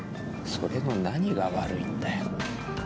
それの何が悪いんだよ。